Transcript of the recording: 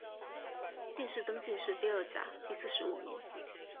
殿试登进士第二甲第四十五名。